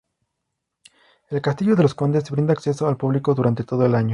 El Castillo de los Condes, brinda acceso al público durante todo el año.